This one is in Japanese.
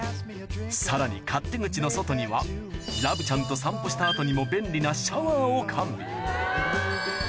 さらに勝手口の外にはラブちゃんと散歩した後にも便利なシャワーを完備